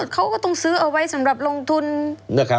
เขาก็ต้องซื้อเอาไว้สำหรับลงทุน